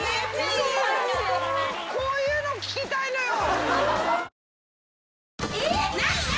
こういうの聞きたいのよ。